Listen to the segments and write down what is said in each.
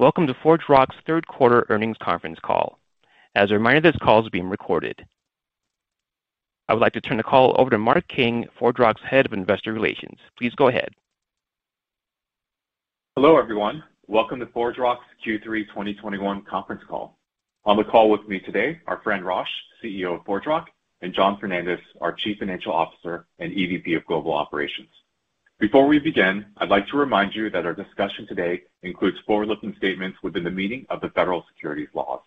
Welcome to ForgeRock's Q3 Earnings Conference Call. As a reminder, this call is being recorded. I would like to turn the call over to Mark Kang, ForgeRock's Head of Investor Relations. Please go ahead. Hello, everyone. Welcome to ForgeRock's Q3 2021 Conference Call. On the call with me today are Fran Rosch, CEO of ForgeRock, and John Fernandez, our CFO and EVP of Global Operations. Before we begin, I'd like to remind you that our discussion today includes forward-looking statements within the meaning of the federal securities laws.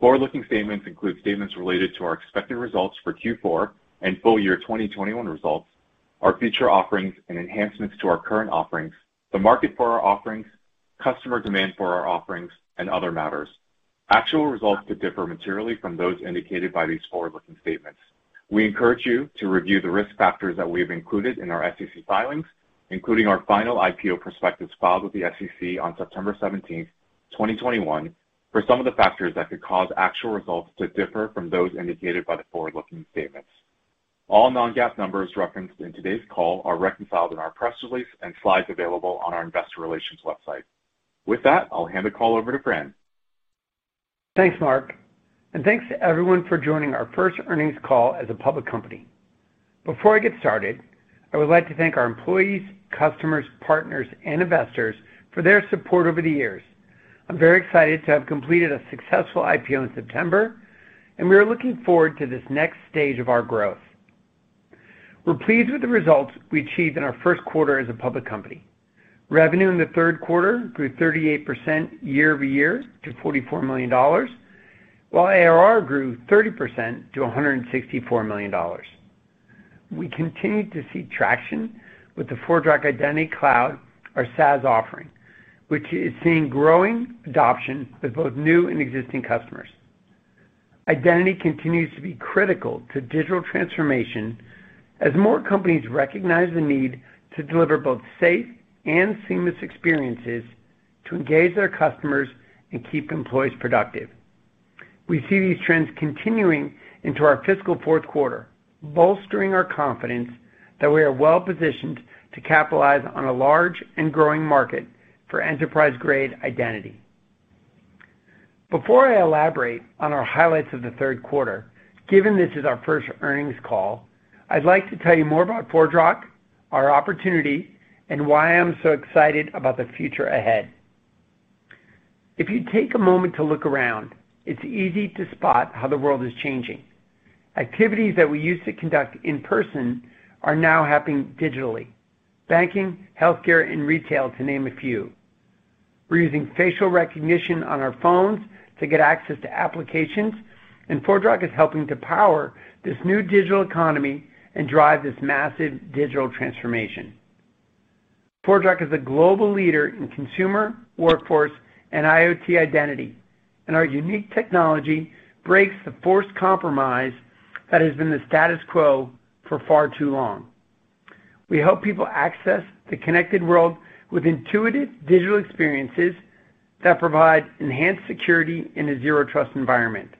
Forward-looking statements include statements related to our expected results for Q4 and full year 2021 results, our future offerings and enhancements to our current offerings, the market for our offerings, customer demand for our offerings, and other matters. Actual results could differ materially from those indicated by these forward-looking statements. We encourage you to review the risk factors that we have included in our SEC filings, including our final IPO prospectus filed with the SEC on September 17, 2021 for some of the factors that could cause actual results to differ from those indicated by the forward-looking statements. All non-GAAP numbers referenced in today's call are reconciled in our press release and slides available on our investor relations website. With that, I'll hand the call over to Fran. Thanks, Mark, and thanks to everyone for joining our first earnings call as a public company. Before I get started, I would like to thank our employees, customers, partners, and investors for their support over the years. I'm very excited to have completed a successful IPO in September, and we are looking forward to this next stage of our growth. We're pleased with the results we achieved in our Q1 as a public company. Revenue in the Q3 grew 38% YoY to $44 million, while ARR grew 30% to $164 million. We continue to see traction with the ForgeRock Identity Cloud, our SaaS offering, which is seeing growing adoption with both new and existing customers. Identity continues to be critical to digital transformation as more companies recognize the need to deliver both safe and seamless experiences to engage their customers and keep employees productive. We see these trends continuing into our fiscal Q4, bolstering our confidence that we are well-positioned to capitalize on a large and growing market for enterprise-grade identity. Before I elaborate on our highlights of the Q3, given this is our first earnings call, I'd like to tell you more about ForgeRock, our opportunity, and why I'm so excited about the future ahead. If you take a moment to look around, it's easy to spot how the world is changing. Activities that we used to conduct in person are now happening digitally. Banking, healthcare, and retail to name a few. We're using facial recognition on our phones to get access to applications, and ForgeRock is helping to power this new digital economy and drive this massive digital transformation. ForgeRock is a global leader in consumer, workforce, and IoT identity. Our unique technology breaks the forced compromise that has been the status quo for far too long. We help people access the connected world with intuitive digital experiences that provide enhanced security in a zero trust environment.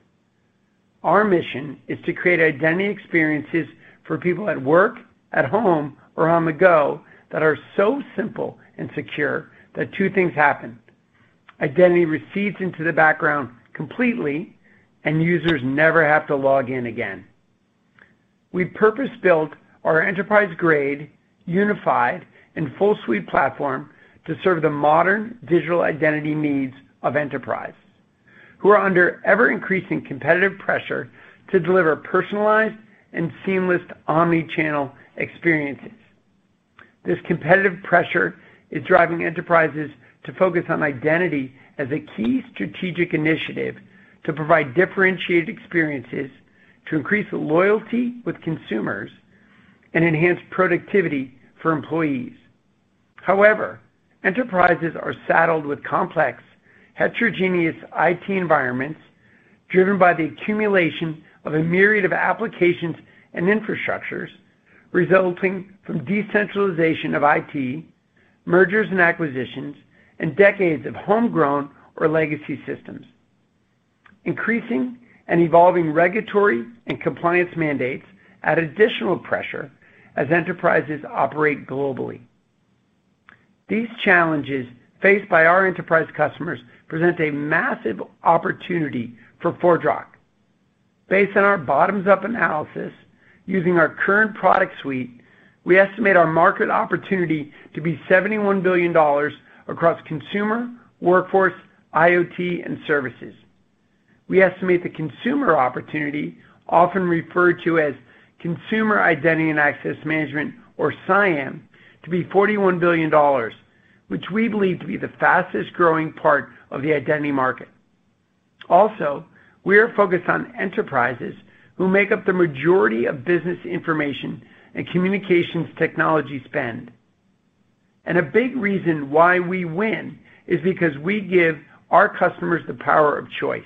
Our mission is to create identity experiences for people at work, at home, or on the go that are so simple and secure that two things happen, identity recedes into the background completely and users never have to log in again. We purpose-built our enterprise-grade, unified and full suite platform to serve the modern digital identity needs of enterprises, who are under ever-increasing competitive pressure to deliver personalized and seamless omni-channel experiences. This competitive pressure is driving enterprises to focus on identity as a key strategic initiative to provide differentiated experiences to increase the loyalty with consumers and enhance productivity for employees. However, enterprises are saddled with complex heterogeneous IT environments driven by the accumulation of a myriad of applications and infrastructures resulting from decentralization of IT, mergers and acquisitions and decades of homegrown or legacy systems. Increasing and evolving regulatory and compliance mandates add additional pressure as enterprises operate globally. These challenges faced by our enterprise customers present a massive opportunity for ForgeRock. Based on our bottoms-up analysis using our current product suite, we estimate our market opportunity to be $71 billion across consumer, workforce, IoT, and services. We estimate the consumer opportunity, often referred to as consumer identity and access management or CIAM, to be $41 billion, which we believe to be the fastest growing part of the identity market. Also, we are focused on enterprises who make up the majority of business information and communications technology spend. A big reason why we win is because we give our customers the power of choice.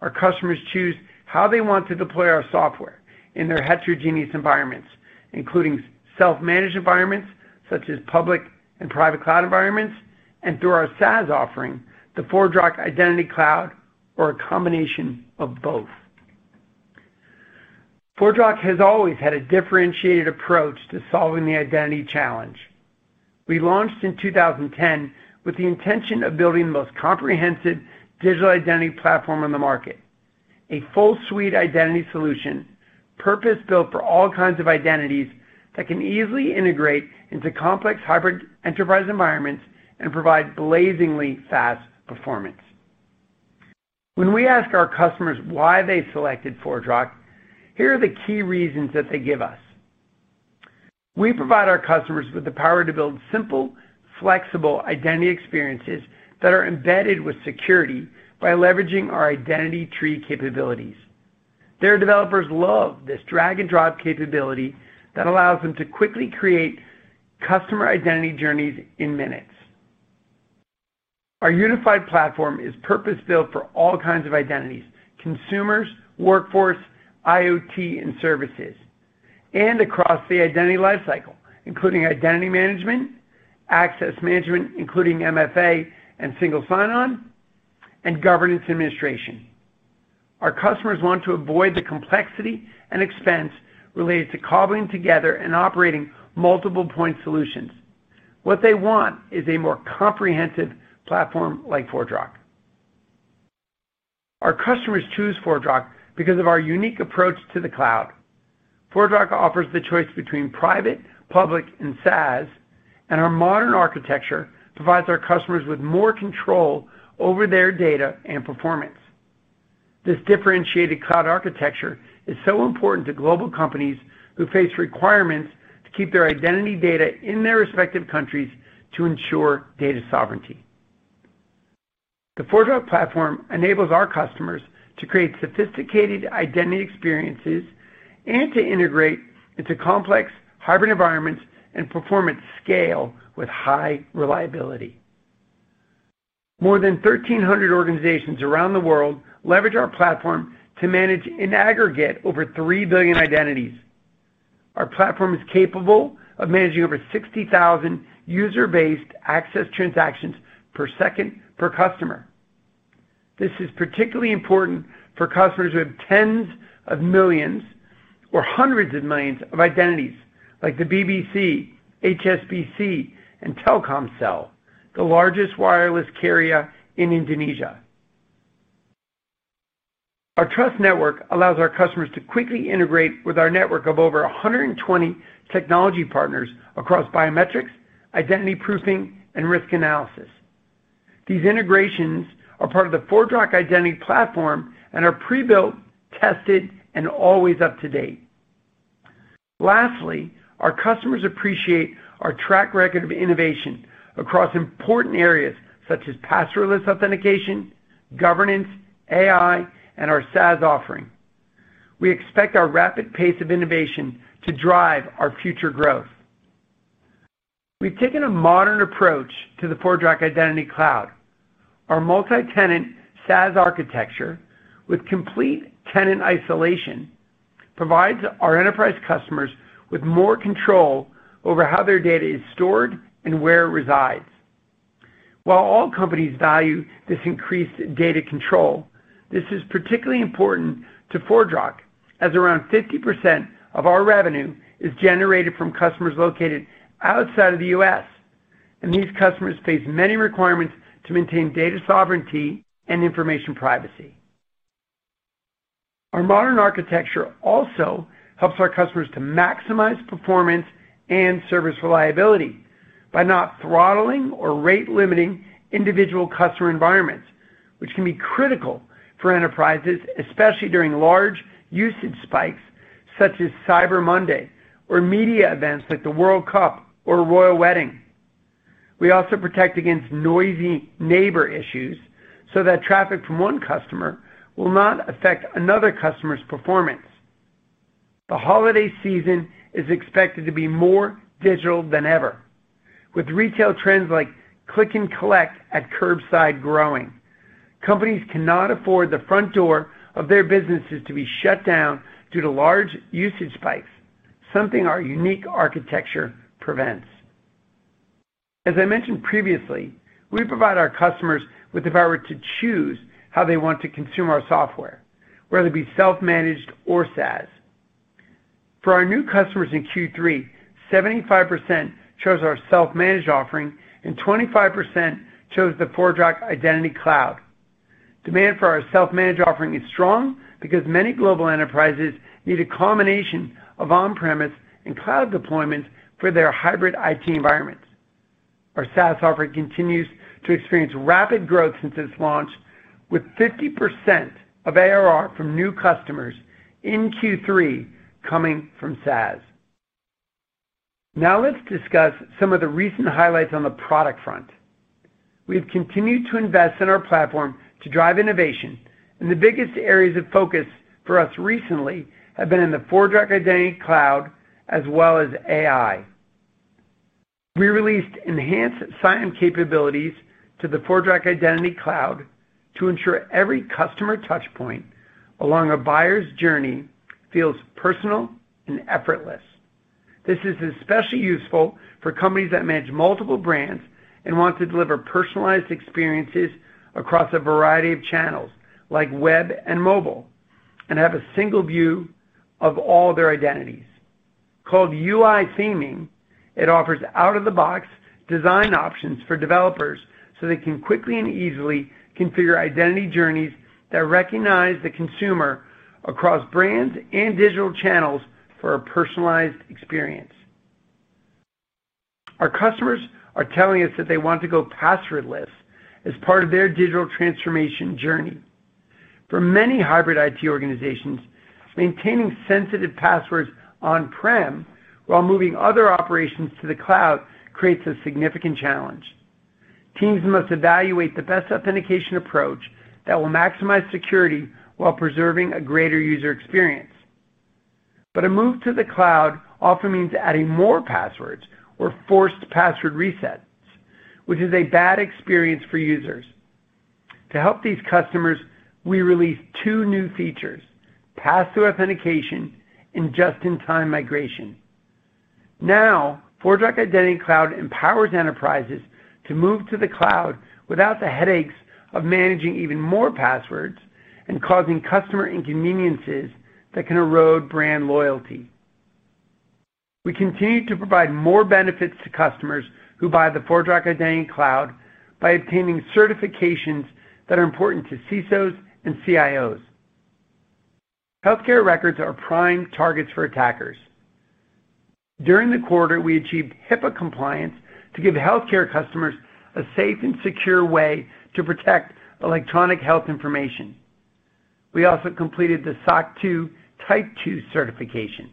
Our customers choose how they want to deploy our software in their heterogeneous environments, including self-managed environments such as public and private cloud environments, and through our SaaS offering, the ForgeRock Identity Cloud, or a combination of both. ForgeRock has always had a differentiated approach to solving the identity challenge. We launched in 2010 with the intention of building the most comprehensive digital identity platform on the market. A full suite identity solution purpose-built for all kinds of identities that can easily integrate into complex hybrid enterprise environments and provide blazingly fast performance. When we ask our customers why they selected ForgeRock, here are the key reasons that they give us. We provide our customers with the power to build simple, flexible identity experiences that are embedded with security by leveraging our identity tree capabilities. Their developers love this drag-and-drop capability that allows them to quickly create customer identity journeys in minutes. Our unified platform is purpose-built for all kinds of identities, consumers, workforce, IoT and services, and across the identity lifecycle, including identity management, access management, including MFA and single sign-on, and governance administration. Our customers want to avoid the complexity and expense related to cobbling together and operating multiple point solutions. What they want is a more comprehensive platform like ForgeRock. Our customers choose ForgeRock because of our unique approach to the cloud. ForgeRock offers the choice between private, public, and SaaS, and our modern architecture provides our customers with more control over their data and performance. This differentiated cloud architecture is so important to global companies who face requirements to keep their identity data in their respective countries to ensure data sovereignty. The ForgeRock platform enables our customers to create sophisticated identity experiences and to integrate into complex hybrid environments and perform at scale with high reliability. More than 1,300 organizations around the world leverage our platform to manage, in aggregate, over three billion identities. Our platform is capable of managing over 60,000 user-based access transactions per second per customer. This is particularly important for customers who have tens of millions or hundreds of millions of identities like the BBC, HSBC, and Telkomsel, the largest wireless carrier in Indonesia. Our trust network allows our customers to quickly integrate with our network of over 120 technology partners across biometrics, identity proofing, and risk analysis. These integrations are part of the ForgeRock Identity Platform and are pre-built, tested and always up to date. Lastly, our customers appreciate our track record of innovation across important areas such as password-less authentication, governance, AI and our SaaS offering. We expect our rapid pace of innovation to drive our future growth. We've taken a modern approach to the ForgeRock Identity Cloud. Our multi-tenant SaaS architecture with complete tenant isolation provides our enterprise customers with more control over how their data is stored and where it resides. While all companies value this increased data control, this is particularly important to ForgeRock as around 50% of our revenue is generated from customers located outside of the U.S., and these customers face many requirements to maintain data sovereignty and information privacy. Our modern architecture also helps our customers to maximize performance and service reliability by not throttling or rate limiting individual customer environments, which can be critical for enterprises, especially during large usage spikes such as Cyber Monday or media events like the World Cup or Royal Wedding. We also protect against noisy neighbor issues so that traffic from one customer will not affect another customer's performance. The holiday season is expected to be more digital than ever. With retail trends like click and collect at curbside growing, companies cannot afford the front door of their businesses to be shut down due to large usage spikes, something our unique architecture prevents. As I mentioned previously, we provide our customers with the power to choose how they want to consume our software, whether it be self-managed or SaaS. For our new customers in Q3, 75% chose our self-managed offering, and 25% chose the ForgeRock Identity Cloud. Demand for our self-managed offering is strong because many global enterprises need a combination of on-premise and cloud deployments for their hybrid IT environments. Our SaaS offering continues to experience rapid growth since its launch with 50% of ARR from new customers in Q3 coming from SaaS. Now let's discuss some of the recent highlights on the product front. We have continued to invest in our platform to drive innovation, and the biggest areas of focus for us recently have been in the ForgeRock Identity Cloud as well as AI. We released enhanced sign-in capabilities to the ForgeRock Identity Cloud to ensure every customer touch point along a buyer's journey feels personal and effortless. This is especially useful for companies that manage multiple brands and want to deliver personalized experiences across a variety of channels like web and mobile, and have a single view of all their identities. Called UI theming, it offers out-of-the-box design options for developers, so they can quickly and easily configure identity journeys that recognize the consumer across brands and digital channels for a personalized experience. Our customers are telling us that they want to go passwordless as part of their digital transformation journey. For many hybrid IT organizations, maintaining sensitive passwords on-prem while moving other operations to the cloud creates a significant challenge. Teams must evaluate the best authentication approach that will maximize security while preserving a greater user experience. A move to the cloud often means adding more passwords or forced password resets, which is a bad experience for users. To help these customers, we released two new features, pass-through authentication and just-in-time migration. Now, ForgeRock Identity Cloud empowers enterprises to move to the cloud without the headaches of managing even more passwords and causing customer inconveniences that can erode brand loyalty. We continue to provide more benefits to customers who buy the ForgeRock Identity Cloud by obtaining certifications that are important to CISOs and CIOs. Healthcare records are prime targets for attackers. During the quarter, we achieved HIPAA compliance to give healthcare customers a safe and secure way to protect electronic health information. We also completed the SOC 2 Type 2 certification.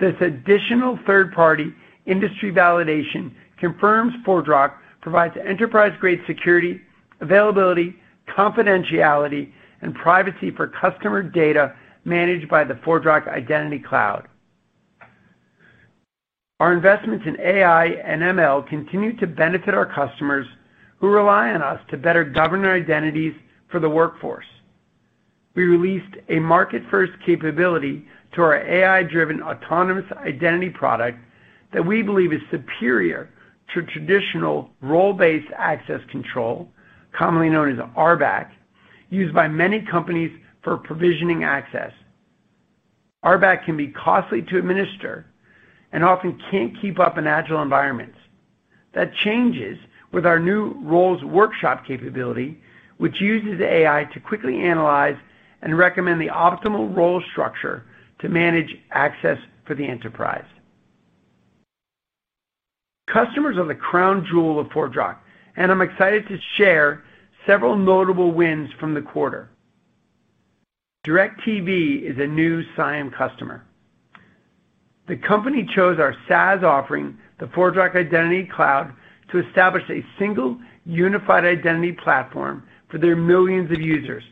This additional third-party industry validation confirms ForgeRock provides enterprise-grade security, availability, confidentiality, and privacy for customer data managed by the ForgeRock Identity Cloud. Our investments in AI and ML continue to benefit our customers who rely on us to better govern identities for the workforce. We released a market-first capability to our AI-driven Autonomous Identity product that we believe is superior to traditional role-based access control, commonly known as RBAC, used by many companies for provisioning access. RBAC can be costly to administer and often can't keep up in agile environments. That changes with our new Roles Workshop capability, which uses AI to quickly analyze and recommend the optimal role structure to manage access for the enterprise. Customers are the crown jewel of ForgeRock, and I'm excited to share several notable wins from the quarter. DIRECTV is a new CIAM customer. The company chose our SaaS offering, the ForgeRock Identity Cloud, to establish a single unified identity platform for their millions of users.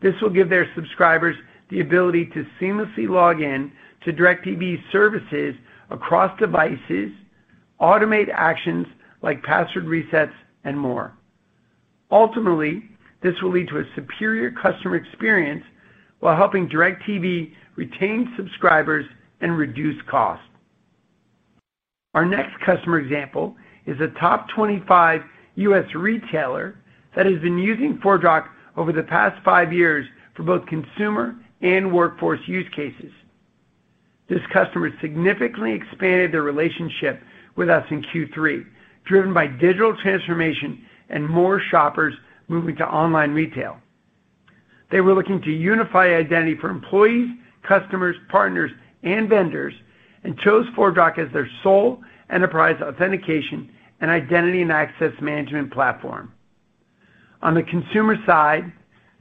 This will give their subscribers the ability to seamlessly log in to DIRECTV's services across devices, automate actions like password resets, and more. Ultimately, this will lead to a superior customer experience while helping DIRECTV retain subscribers and reduce costs. Our next customer example is a top 25 U.S. retailer that has been using ForgeRock over the past five years for both consumer and workforce use cases. This customer significantly expanded their relationship with us in Q3, driven by digital transformation and more shoppers moving to online retail. They were looking to unify identity for employees, customers, partners, and vendors, and chose ForgeRock as their sole enterprise authentication and identity and access management platform. On the consumer side,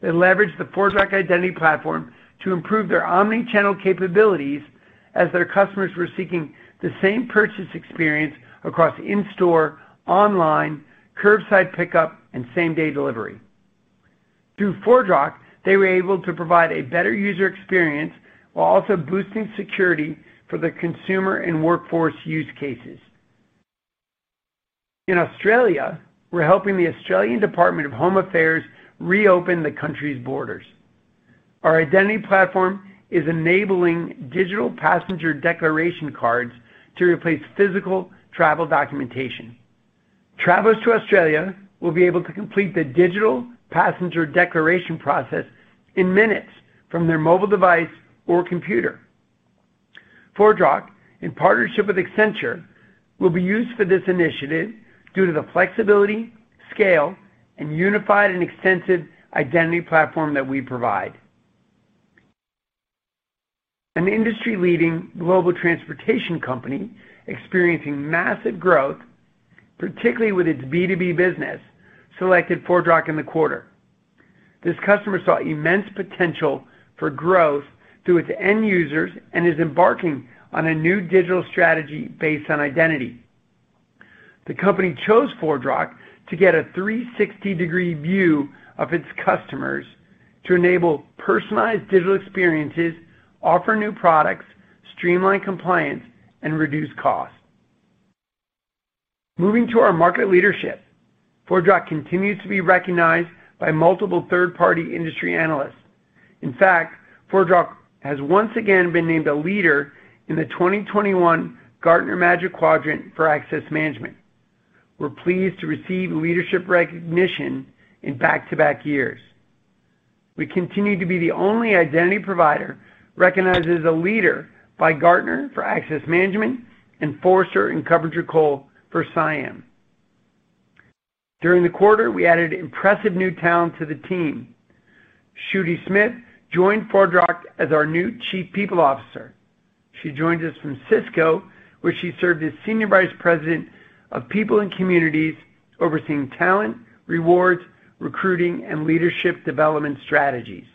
they leveraged the ForgeRock Identity Platform to improve their omni-channel capabilities as their customers were seeking the same purchase experience across in-store, online, curbside pickup, and same-day delivery. Through ForgeRock, they were able to provide a better user experience while also boosting security for their consumer and workforce use cases. In Australia, we're helping the Australian Department of Home Affairs reopen the country's borders. Our identity platform is enabling digital passenger declaration cards to replace physical travel documentation. Travelers to Australia will be able to complete the digital passenger declaration process in minutes from their mobile device or computer. ForgeRock, in partnership with Accenture, will be used for this initiative due to the flexibility, scale, and unified and extensive identity platform that we provide. An industry-leading global transportation company experiencing massive growth, particularly with its B2B business, selected ForgeRock in the quarter. This customer saw immense potential for growth through its end users and is embarking on a new digital strategy based on identity. The company chose ForgeRock to get a 360-degree view of its customers to enable personalized digital experiences, offer new products, streamline compliance and reduce costs. Moving to our market leadership, ForgeRock continues to be recognized by multiple third-party industry analysts. In fact, ForgeRock has once again been named a leader in the 2021 Gartner Magic Quadrant for Access Management. We're pleased to receive leadership recognition in back-to-back years. We continue to be the only identity provider recognized as a leader by Gartner for access management and Forrester and KuppingerCole for CIAM. During the quarter, we added impressive new talent to the team. Tschudy Smith joined ForgeRock as our new Chief People Officer. She joins us from Cisco, where she served as SVP of People and Communities, overseeing talent, rewards, recruiting, and leadership development strategies.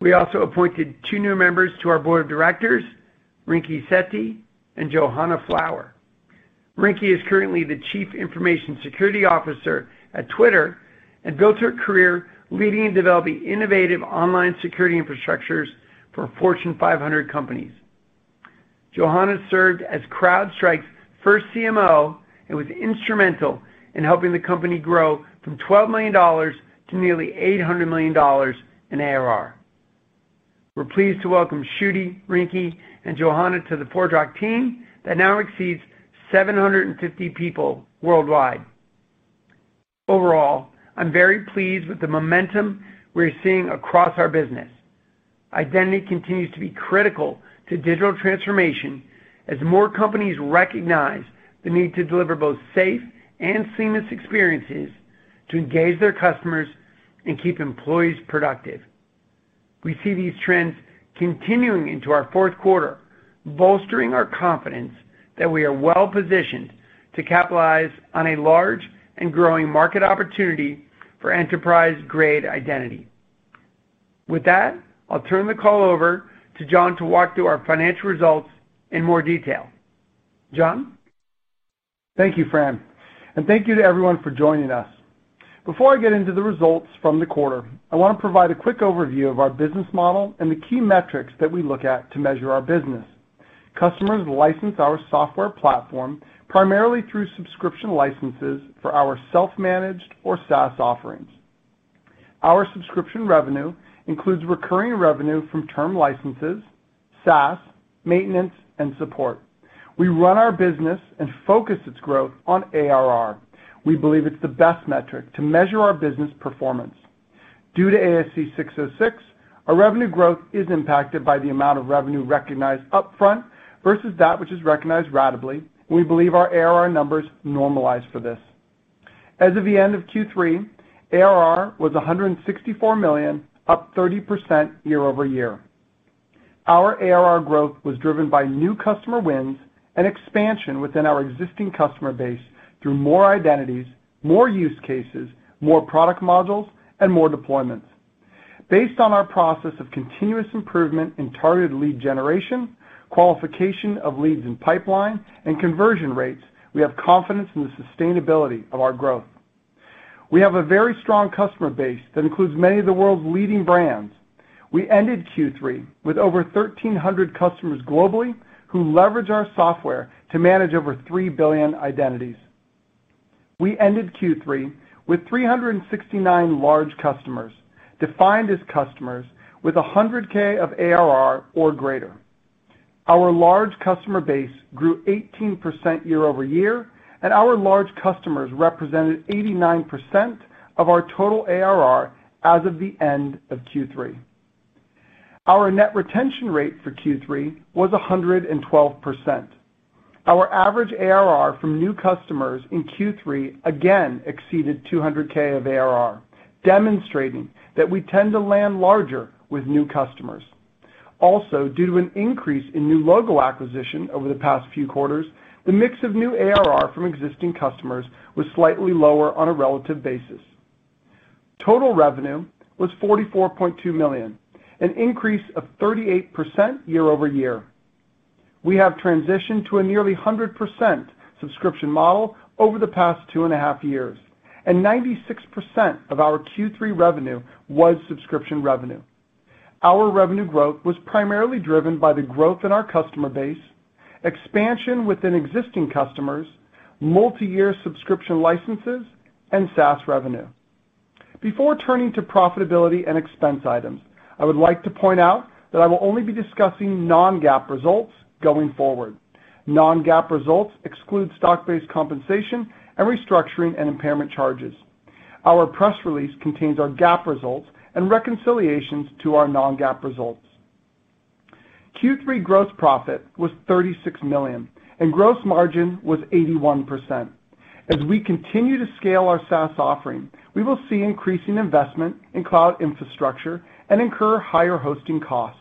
We also appointed two new members to our board of directors, Rinki Sethi and Johanna Flower. Rinki is currently the Chief Information Security Officer at Twitter and built her career leading and developing innovative online security infrastructures for Fortune 500 companies. Johanna served as CrowdStrike's first CMO and was instrumental in helping the company grow from $12 million to nearly $800 million in ARR. We're pleased to welcome Tschudy, Rinki, and Johanna to the ForgeRock team that now exceeds 750 people worldwide. Overall, I'm very pleased with the momentum we're seeing across our business. Identity continues to be critical to digital transformation as more companies recognize the need to deliver both safe and seamless experiences to engage their customers and keep employees productive. We see these trends continuing into our Q4, bolstering our confidence that we are well-positioned to capitalize on a large and growing market opportunity for enterprise-grade identity. With that, I'll turn the call over to John to walk through our financial results in more detail. John? Thank you, Fran, and thank you to everyone for joining us. Before I get into the results from the quarter, I want to provide a quick overview of our business model and the key metrics that we look at to measure our business. Customers license our software platform primarily through subscription licenses for our self-managed or SaaS offerings. Our subscription revenue includes recurring revenue from term licenses, SaaS, maintenance, and support. We run our business and focus its growth on ARR. We believe it's the best metric to measure our business performance. Due to ASC 606, our revenue growth is impacted by the amount of revenue recognized upfront versus that which is recognized ratably. We believe our ARR numbers normalize for this. As of the end of Q3, ARR was $164 million, up 30% YoY. Our ARR growth was driven by new customer wins and expansion within our existing customer base through more identities, more use cases, more product modules, and more deployments. Based on our process of continuous improvement in targeted lead generation, qualification of leads in pipeline, and conversion rates, we have confidence in the sustainability of our growth. We have a very strong customer base that includes many of the world's leading brands. We ended Q3 with over 1,300 customers globally who leverage our software to manage over three billion identities. We ended Q3 with 369 large customers defined as customers with 100K of ARR or greater. Our large customer base grew 18% YoY, and our large customers represented 89% of our total ARR as of the end of Q3. Our net retention rate for Q3 was 112%. Our average ARR from new customers in Q3 again exceeded 200K of ARR, demonstrating that we tend to land larger with new customers. Also, due to an increase in new logo acquisition over the past few quarters, the mix of new ARR from existing customers was slightly lower on a relative basis. Total revenue was $44.2 million, an increase of 38% year-over-year. We have transitioned to a nearly 100% subscription model over the past two and a half years, and 96% of our Q3 revenue was subscription revenue. Our revenue growth was primarily driven by the growth in our customer base, expansion within existing customers, multiyear subscription licenses, and SaaS revenue. Before turning to profitability and expense items, I would like to point out that I will only be discussing non-GAAP results going forward. Non-GAAP results exclude stock-based compensation and restructuring and impairment charges. Our press release contains our GAAP results and reconciliations to our non-GAAP results. Q3 gross profit was $36 million, and gross margin was 81%. As we continue to scale our SaaS offering, we will see increasing investment in cloud infrastructure and incur higher hosting costs.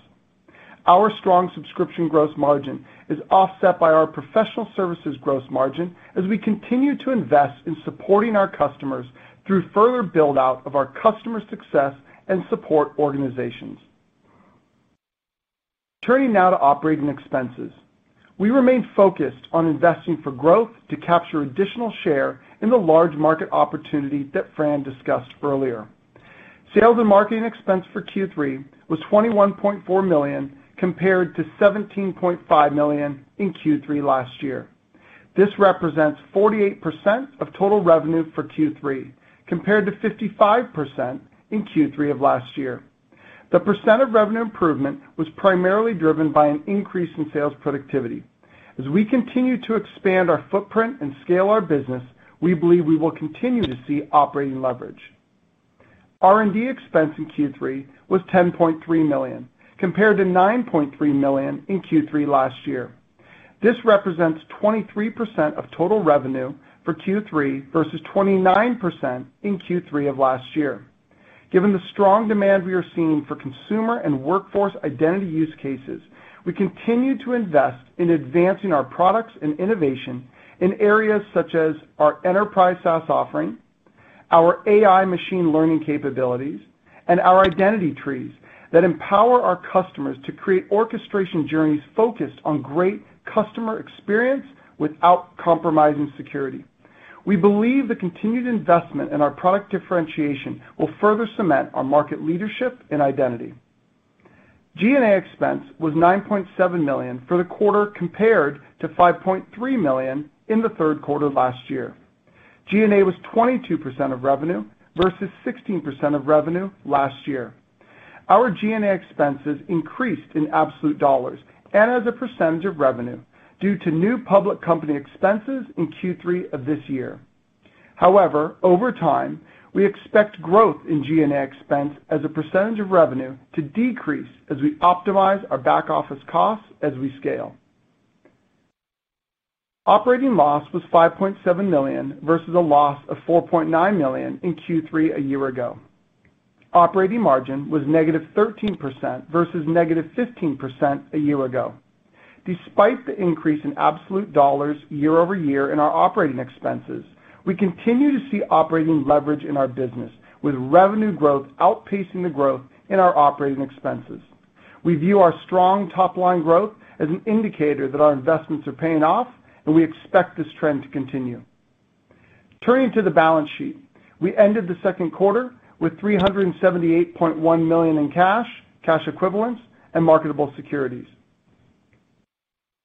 Our strong subscription gross margin is offset by our professional services gross margin as we continue to invest in supporting our customers through further build-out of our customer success and support organizations. Turning now to operating expenses. We remain focused on investing for growth to capture additional share in the large market opportunity that Fran discussed earlier. Sales and marketing expense for Q3 was $21.4 million compared to $17.5 million in Q3 last year. This represents 48% of total revenue for Q3, compared to 55% in Q3 of last year. The % of revenue improvement was primarily driven by an increase in sales productivity. As we continue to expand our footprint and scale our business, we believe we will continue to see operating leverage. R&D expense in Q3 was $10.3 million, compared to $9.3 million in Q3 last year. This represents 23% of total revenue for Q3 versus 29% in Q3 of last year. Given the strong demand we are seeing for consumer and workforce identity use cases, we continue to invest in advancing our products and innovation in areas such as our enterprise SaaS offering, our AI machine learning capabilities, and our identity trees that empower our customers to create orchestration journeys focused on great customer experience without compromising security. We believe the continued investment in our product differentiation will further cement our market leadership in identity. G&A expense was $9.7 million for the quarter, compared to $5.3 million in the Q3 last year. G&A was 22% of revenue versus 16% of revenue last year. Our G&A expenses increased in absolute dollars and as a percentage of revenue due to new public company expenses in Q3 of this year. However, over time, we expect growth in G&A expense as a percentage of revenue to decrease as we optimize our back-office costs as we scale. Operating loss was $5.7 million versus a loss of $4.9 million in Q3 a year ago. Operating margin was -13% versus -15% a year ago. Despite the increase in absolute dollars year over year in our operating expenses, we continue to see operating leverage in our business, with revenue growth outpacing the growth in our operating expenses. We view our strong top-line growth as an indicator that our investments are paying off, and we expect this trend to continue. Turning to the balance sheet. We ended the Q2 with $378.1 million in cash equivalents, and marketable securities.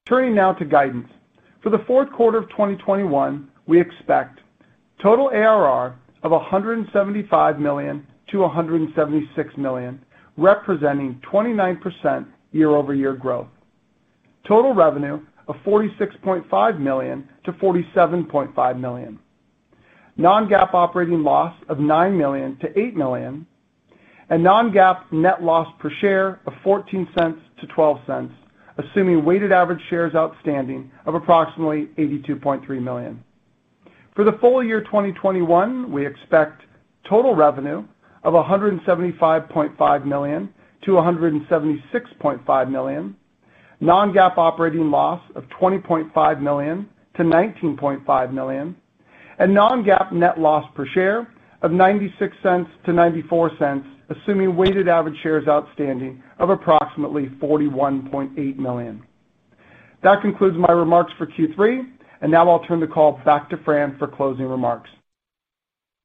Turning now to guidance. For the Q4 of 2021, we expect total ARR of $175 to 176 million, representing 29% YoY growth. Total revenue of $46.5 to 47.5 million. Non-GAAP operating loss of $9 to 8 million. Non-GAAP net loss per share of $0.14to $0.12, assuming weighted average shares outstanding of approximately 82.3 million. For the full year 2021, we expect total revenue of $175.5 to 176.5 million. Non-GAAP operating loss of $20.5 to 19.5 million. Non-GAAP net loss per share of $0.96 to $0.94, assuming weighted average shares outstanding of approximately 41.8 million. That concludes my remarks for Q3, and now I'll turn the call back to Fran for closing remarks.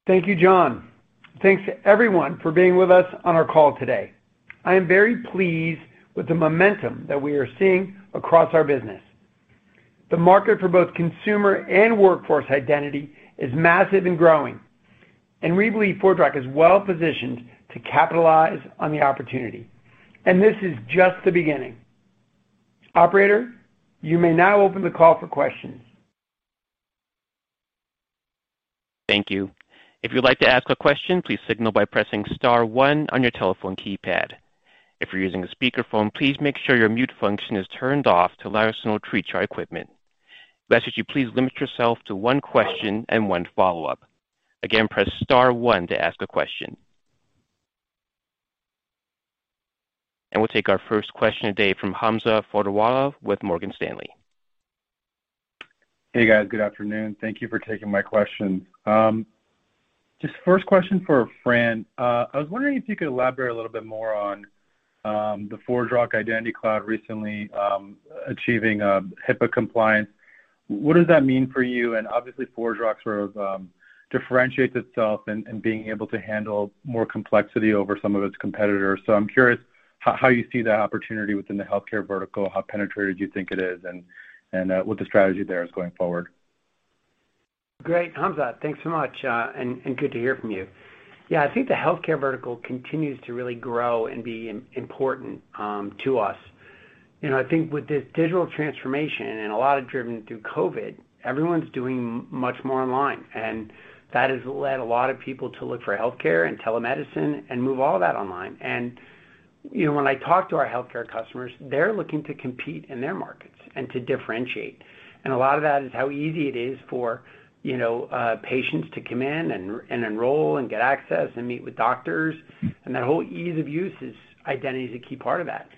Thank you, John. Thanks to everyone for being with us on our call today. I am very pleased with the momentum that we are seeing across our business. The market for both consumer and workforce identity is massive and growing, and we believe ForgeRock is well-positioned to capitalize on the opportunity. This is just the beginning. Operator, you may now open the call for questions. Thank you. If you'd like to ask a question, please signal by pressing star one on your telephone keypad. If you're using a speakerphone, please make sure your mute function is turned off to allow us to hear you. We ask that you please limit yourself to one question and one follow-up. Again, press star one to ask a question. We'll take our first question today from Hamza Fodderwala with Morgan Stanley. Hey, guys. Good afternoon. Thank you for taking my question. Just first question for Fran. I was wondering if you could elaborate a little bit more on the ForgeRock Identity Cloud recently achieving HIPAA compliance. What does that mean for you? Obviously, ForgeRock sort of differentiates itself in being able to handle more complexity over some of its competitors. I'm curious how you see that opportunity within the healthcare vertical, how penetrated you think it is and what the strategy there is going forward. Great, Hamza. Thanks so much and good to hear from you. Yeah, I think the healthcare vertical continues to really grow and be important to us. You know, I think with this digital transformation and a lot driven by COVID, everyone's doing much more online, and that has led a lot of people to look for healthcare and telemedicine and move all that online. You know, when I talk to our healthcare customers, they're looking to compete in their markets and to differentiate. A lot of that is how easy it is for, you know, patients to come in and enroll and get access and meet with doctors. That whole ease of use is identity a key part of that.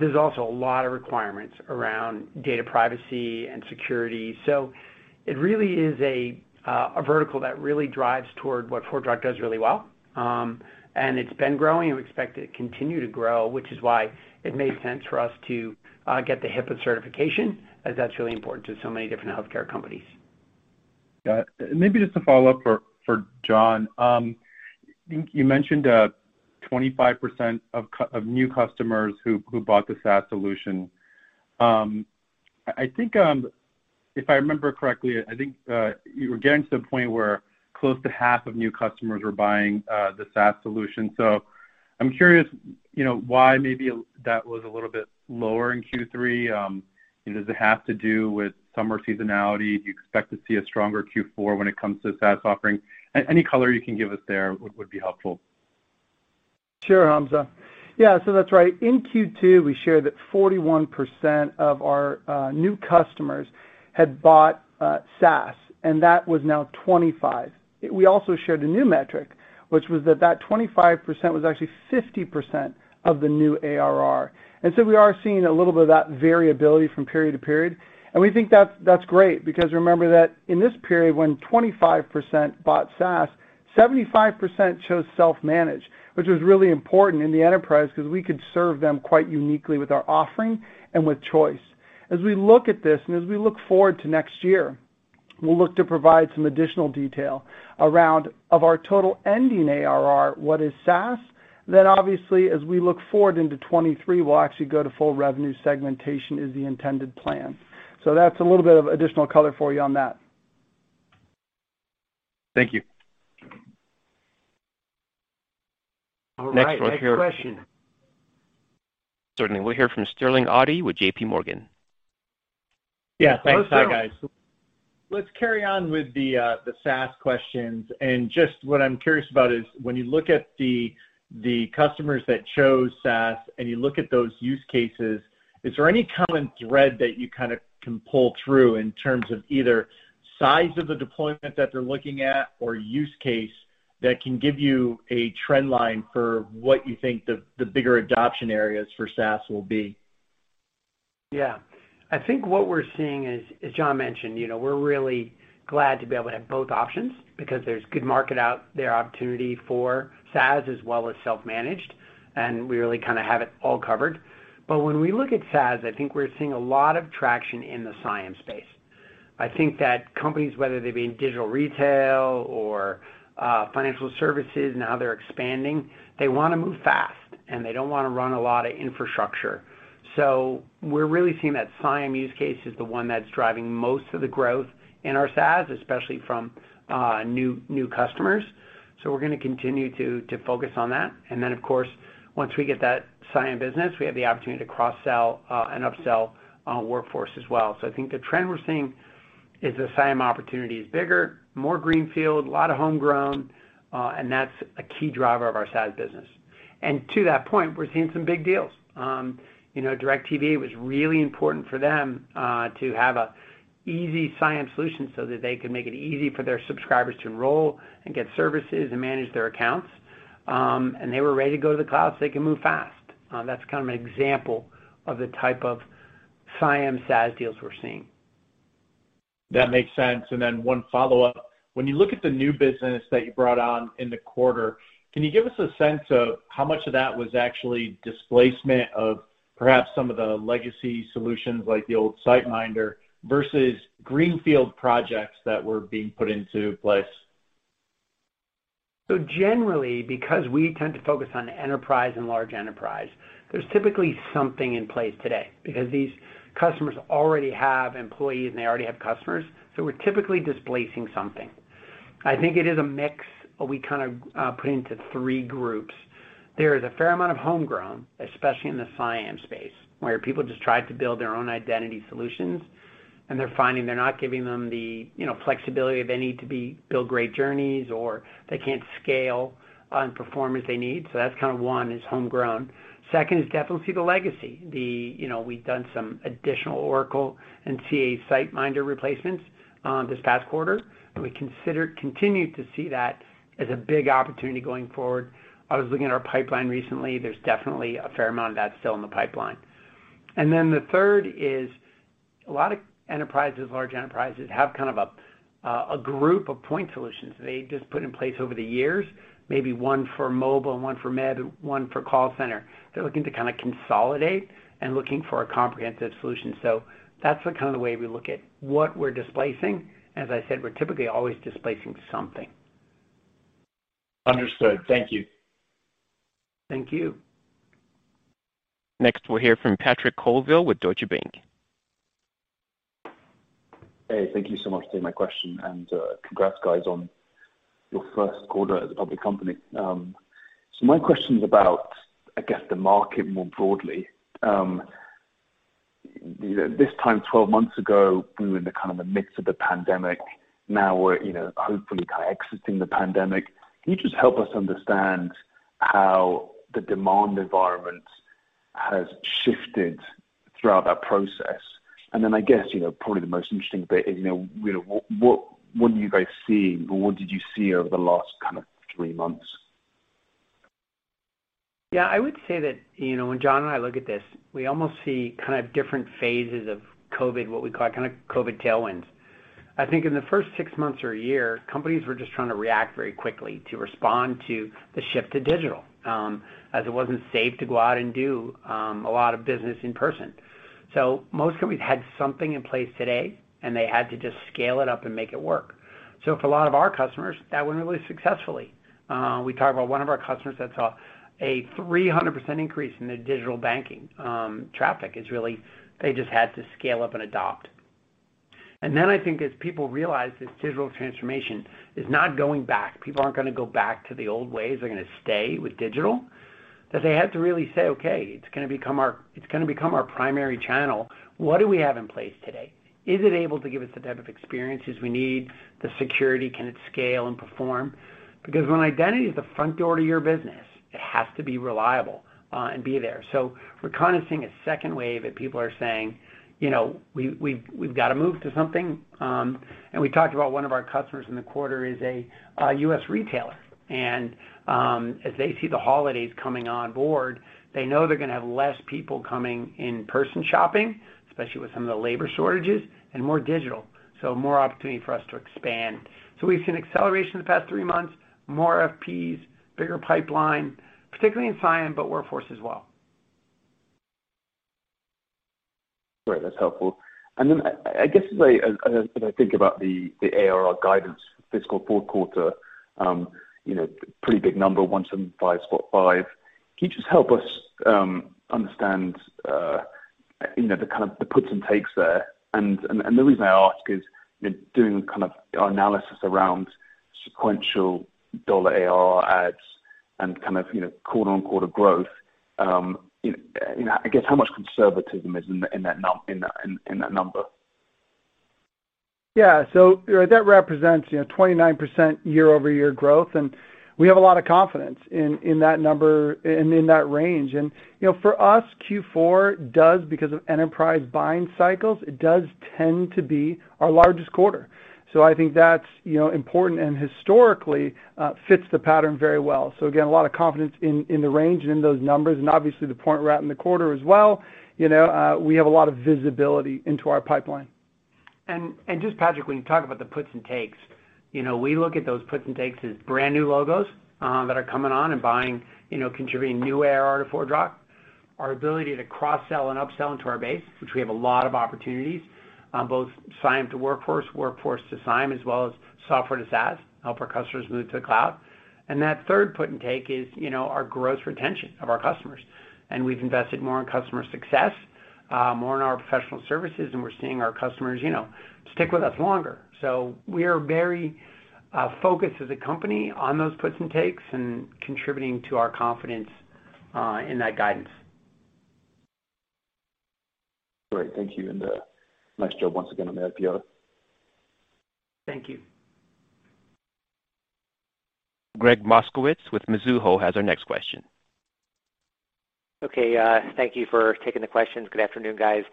There's also a lot of requirements around data privacy and security. It really is a vertical that really drives toward what ForgeRock does really well. It's been growing. We expect it to continue to grow, which is why it made sense for us to get the HIPAA certification, as that's really important to so many different healthcare companies. Maybe just a follow-up for John. I think you mentioned 25% of new customers who bought the SaaS solution. I think, if I remember correctly, you were getting to the point where close to half of new customers were buying the SaaS solution. I'm curious, you know, why maybe that was a little bit lower in Q3. Does it have to do with summer seasonality? Do you expect to see a stronger Q4 when it comes to SaaS offering? Any color you can give us there would be helpful. Sure, Hamza. Yeah. That's right. In Q2, we shared that 41% of our new customers had bought SaaS, and that was now 25. We also shared a new metric, which was that that 25% was actually 50% of the new ARR. We are seeing a little bit of that variability from period to period. We think that's great because remember that in this period when 25% bought SaaS, 75% chose self-managed, which was really important in the enterprise because we could serve them quite uniquely with our offering and with choice. As we look at this, and as we look forward to next year, we'll look to provide some additional detail around what of our total ending ARR is SaaS. Obviously, as we look forward into 2023, we'll actually go to full revenue segmentation is the intended plan. That's a little bit of additional color for you on that. Thank you. All right. Next question. Certainly. We'll hear from Sterling Auty with JPMorgan. Yeah. Thanks. Hi, guys. Let's carry on with the SaaS questions. Just what I'm curious about is when you look at the customers that chose SaaS and you look at those use cases, is there any common thread that you kind of can pull through in terms of either size of the deployment that they're looking at or use case that can give you a trend line for what you think the bigger adoption areas for SaaS will be? Yeah. I think what we're seeing is, as John mentioned, you know, we're really glad to be able to have both options because there's good market opportunity out there for SaaS as well as self-managed, and we really kind of have it all covered. But when we look at SaaS, I think we're seeing a lot of traction in the CIAM space. I think that companies, whether they be in digital retail or financial services, now they're expanding, they want to move fast, and they don't want to run a lot of infrastructure. So we're really seeing that CIAM use case is the one that's driving most of the growth in our SaaS, especially from new customers. So we're gonna continue to focus on that. Then, of course, once we get that CIAM business, we have the opportunity to cross-sell, and upsell, workforce as well. I think the trend we're seeing is the CIAM opportunity is bigger, more greenfield, a lot of homegrown, and that's a key driver of our SaaS business. To that point, we're seeing some big deals. You know, DIRECTV, it was really important for them, to have an easy CIAM solution so that they could make it easy for their subscribers to enroll and get services and manage their accounts. They were ready to go to the cloud, so they can move fast. That's kind of an example of the type of CIAM SaaS deals we're seeing. That makes sense. One follow-up. When you look at the new business that you brought on in the quarter, can you give us a sense of how much of that was actually displacement of perhaps some of the legacy solutions, like the old SiteMinder, versus greenfield projects that were being put into place? Generally, because we tend to focus on enterprise and large enterprise, there's typically something in place today because these customers already have employees, and they already have customers. We're typically displacing something. I think it is a mix we kind of put into three groups. There is a fair amount of homegrown, especially in the CIAM space, where people just tried to build their own identity solutions, and they're finding they're not giving them the, you know, flexibility they need to build great journeys or they can't scale on performance they need. That's kind of one is homegrown. Second is definitely the legacy. The, you know, we've done some additional Oracle and CA SiteMinder replacements, this past quarter, and we continue to see that as a big opportunity going forward. I was looking at our pipeline recently. There's definitely a fair amount of that still in the pipeline. The third is a lot of enterprises, large enterprises have kind of a group of point solutions they just put in place over the years, maybe one for mobile, one for web, one for call center. They're looking to kind of consolidate and looking for a comprehensive solution. That's the kind of way we look at what we're displacing. As I said, we're typically always displacing something. Understood. Thank you. Thank you. Next, we'll hear from Patrick Colville with Deutsche Bank. Hey, thank you so much for taking my question, and congrats guys on your Q1 as a public company. My question is about, I guess, the market more broadly. This time 12 months ago, we were in the midst of the pandemic. Now we're, you know, hopefully kind of exiting the pandemic. Can you just help us understand how the demand environment has shifted throughout that process? I guess, you know, probably the most interesting bit is, what are you guys seeing or what did you see over the last kind of three months? Yeah, I would say that, you know, when John and I look at this, we almost see kind of different phases of COVID, what we call kind of COVID tailwinds. I think in the first six months or a year, companies were just trying to react very quickly to respond to the shift to digital, as it wasn't safe to go out and do a lot of business in person. So most companies had something in place today, and they had to just scale it up and make it work. So for a lot of our customers, that went really successfully. We talk about one of our customers that saw a 300% increase in their digital banking traffic. It's really they just had to scale up and adopt. I think as people realize this digital transformation is not going back, people aren't gonna go back to the old ways, they're gonna stay with digital, that they had to really say, "Okay, it's gonna become our primary channel. What do we have in place today? Is it able to give us the type of experiences we need, the security? Can it scale and perform?" Because when identity is the front door to your business, it has to be reliable, and be there. We're kinda seeing a second wave that people are saying, you know, "We've gotta move to something." We talked about one of our customers in the quarter is a U.S. retailer. As they see the holidays coming on board, they know they're gonna have less people coming in person shopping, especially with some of the labor shortages, and more digital, so more opportunity for us to expand. We've seen acceleration in the past three months, more RFPs, bigger pipeline, particularly in CIAM, but Workforce as well. Great. That's helpful. I guess as I think about the ARR guidance fiscal Q4, you know, pretty big number, $175.5 million. Can you just help us understand, you know, the kind of puts and takes there? The reason I ask is, you know, doing kind of our analysis around sequential dollar ARR adds and kind of, you know, quarter-on-quarter growth, you know, I guess how much conservatism is in that number? Yeah. You know, that represents, you know, 29% YoY growth, and we have a lot of confidence in that number and in that range. You know, for us, Q4 does, because of enterprise buying cycles, it does tend to be our largest quarter. I think that's, you know, important and historically fits the pattern very well. Again, a lot of confidence in the range and in those numbers. Obviously, the point we're at in the quarter as well, you know, we have a lot of visibility into our pipeline. Just Patrick, when you talk about the puts and takes, you know, we look at those puts and takes as brand new logos that are coming on and buying, you know, contributing new ARR to ForgeRock. Our ability to cross-sell and up-sell into our base, which we have a lot of opportunities, both CIAM to Workforce to CIAM, as well as software to SaaS, help our customers move to the cloud. That third put and take is, you know, our gross retention of our customers. We've invested more in customer success, more in our professional services, and we're seeing our customers, you know, stick with us longer. We are very focused as a company on those puts and takes and contributing to our confidence in that guidance. Great. Thank you. Nice job once again on the IPO. Thank you. Gregg Moskowitz with Mizuho has our next question. Okay. Thank you for taking the questions. Good afternoon, guys.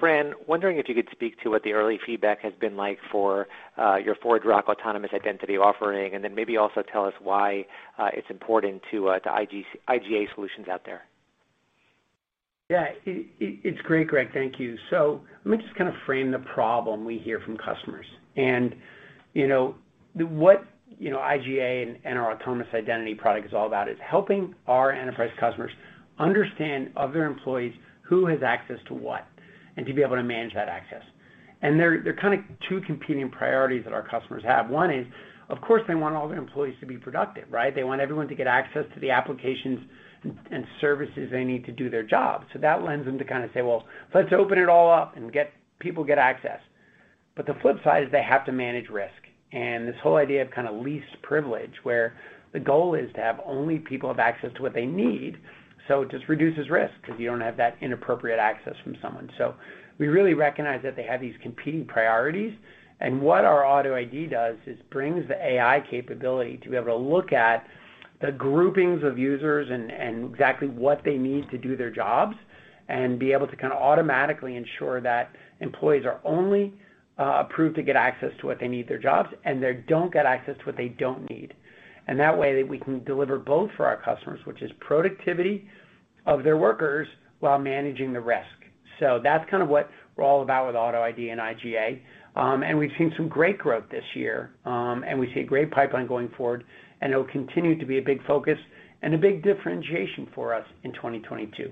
Fran, wondering if you could speak to what the early feedback has been like for your ForgeRock Autonomous Identity offering, and then maybe also tell us why it's important to IGA solutions out there. Yeah. It's great, Gregg. Thank you. So, let me just kinda frame the problem we hear from customers. You know, IGA and our Autonomous Identity product is all about is helping our enterprise customers understand of their employees who has access to what, and to be able to manage that access. There are kinda two competing priorities that our customers have. One is, of course, they want all their employees to be productive, right? They want everyone to get access to the applications and services they need to do their job. So that lends them to kinda say, "Well, let's open it all up and get people get access." But the flip side is they have to manage risk. This whole idea of kinda least privilege, where the goal is to have only people have access to what they need, so it just reduces risk because you don't have that inappropriate access from someone. We really recognize that they have these competing priorities. What our AutoID does is brings the AI capability to be able to look at the groupings of users and exactly what they need to do their jobs, and be able to kinda automatically ensure that employees are only approved to get access to what they need for their jobs, and they don't get access to what they don't need. That way, we can deliver both for our customers, which is productivity of their workers while managing the risk. That's kind of what we're all about with AutoID and IGA. We've seen some great growth this year, and we see a great pipeline going forward, and it'll continue to be a big focus and a big differentiation for us in 2022. All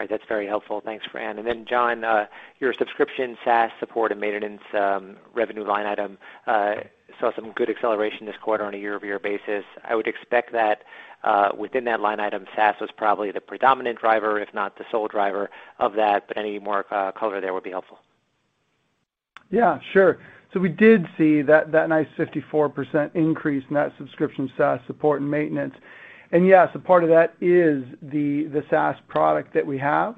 right. That's very helpful. Thanks, Fran. John, your subscription SaaS support and maintenance revenue line item saw some good acceleration this quarter on a year-over-year basis. I would expect that within that line item, SaaS was probably the predominant driver, if not the sole driver of that, but any more color there would be helpful. Yeah, sure. We did see that nice 54% increase in that subscription SaaS support and maintenance. Yes, a part of that is the SaaS product that we have.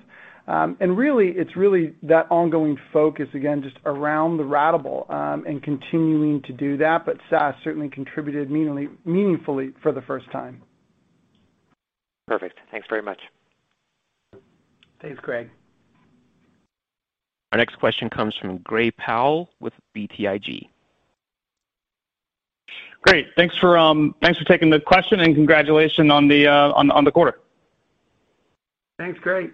Really, it's really that ongoing focus, again, just around the ratable and continuing to do that, but SaaS certainly contributed meaningfully for the first time. Perfect. Thanks very much. Thanks, Gregg. Our next question comes from Gray Powell with BTIG. Great. Thanks for taking the question, and congratulations on the quarter. Thanks, Gray.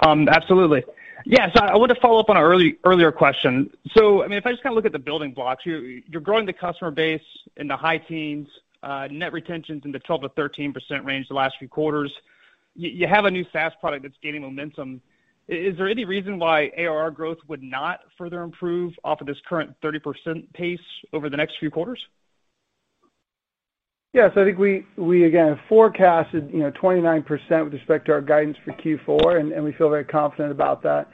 Absolutely. Yeah, I want to follow up on an earlier question. I mean, if I just kinda look at the building blocks, you're growing the customer base in the high teens, net retentions in the 12% to 13% range the last few quarters. You have a new SaaS product that's gaining momentum. Is there any reason why ARR growth would not further improve off of this current 30% pace over the next few quarters? Yes. I think we again forecasted, you know, 29% with respect to our guidance for Q4, and we feel very confident about that.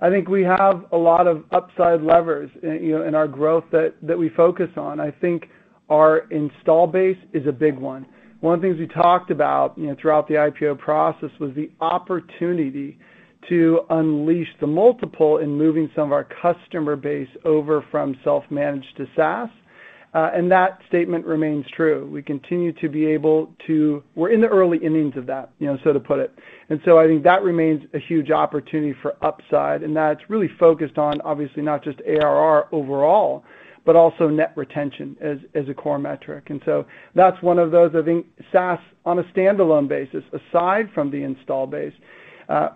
I think we have a lot of upside levers, you know, in our growth that we focus on. I think our install base is a big one. One of the things we talked about, you know, throughout the IPO process was the opportunity to unleash the multiple in moving some of our customer base over from self-managed to SaaS, and that statement remains true. We're in the early innings of that, you know, so to put it. I think that remains a huge opportunity for upside, and that's really focused on, obviously, not just ARR overall, but also net retention as a core metric. That's one of those, I think, SaaS, on a standalone basis, aside from the install base,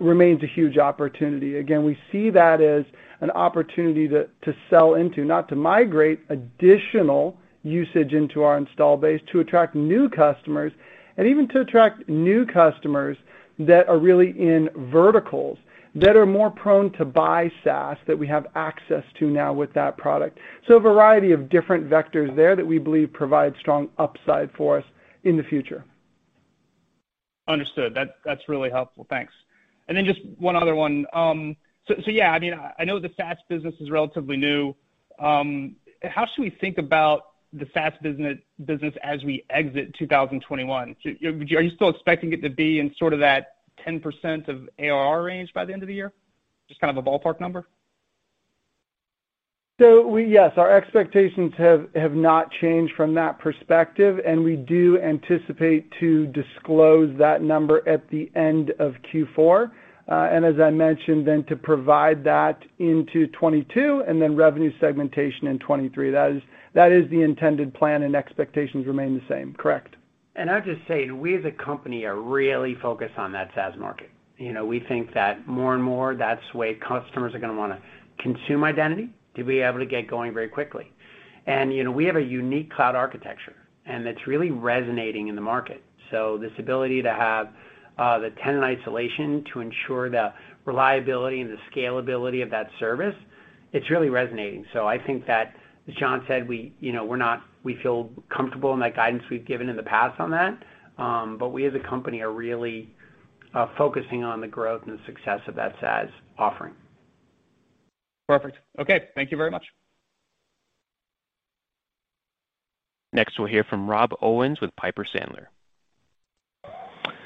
remains a huge opportunity. Again, we see that as an opportunity to sell into, not to migrate additional usage into our install base, to attract new customers and even to attract new customers that are really in verticals that are more prone to buy SaaS that we have access to now with that product. A variety of different vectors there that we believe provide strong upside for us in the future. Understood. That's really helpful. Thanks. Just one other one. Yeah, I mean, I know the SaaS business is relatively new. How should we think about the SaaS business as we exit 2021? Are you still expecting it to be in sort of that 10% of ARR range by the end of the year? Just kind of a ballpark number. Yes, our expectations have not changed from that perspective, and we do anticipate to disclose that number at the end of Q4. As I mentioned, then to provide that into 2022 and then revenue segmentation in 2023. That is the intended plan, and expectations remain the same. Correct. I'll just say, we as a company are really focused on that SaaS market. You know, we think that more and more, that's the way customers are gonna wanna consume identity to be able to get going very quickly. You know, we have a unique cloud architecture, and it's really resonating in the market. This ability to have, the tenant isolation to ensure the reliability and the scalability of that service, it's really resonating. I think that, as John said, we, you know, we feel comfortable in that guidance we've given in the past on that, but we as a company are really, focusing on the growth and the success of that SaaS offering. Perfect. Okay. Thank you very much. Next, we'll hear from Rob Owens with Piper Sandler.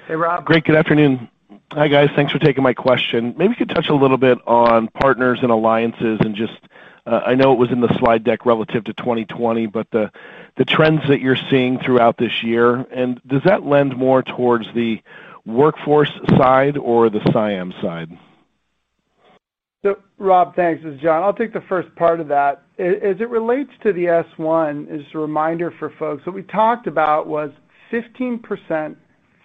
Hey, Rob. Great. Good afternoon. Hi, guys. Thanks for taking my question. Maybe you could touch a little bit on partners and alliances and just, I know it was in the slide deck relative to 2020, but the trends that you're seeing throughout this year, and does that lend more towards the workforce side or the CIAM side? Rob, thanks. This is John. I'll take the first part of that. As it relates to the S-1, as a reminder for folks, what we talked about was 15%,